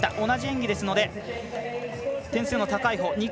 同じ演技ですので点数の高いほう